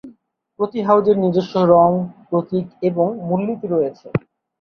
প্রতি হাউজের নিজস্ব রং, প্রতীক এবং মূলনীতি রয়েছে।